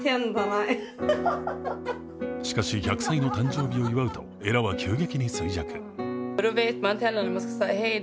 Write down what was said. しかし１００歳の誕生日を祝うとエラは急激に衰弱。